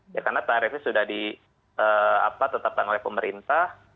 ya karena tarifnya sudah diapa tetapkan oleh pemerintah